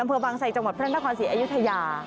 อำเภอบังสัยจังหวัดพระราชควรศรีอยุธยา